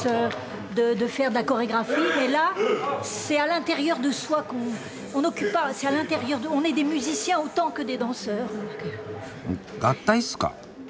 んっ合体っすか。